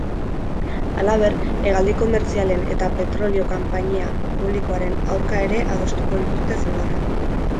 Halaber, hegaldi komertzialen eta petrolio konpainia publikoaren aurka ere adostuko dituzte zigorrak.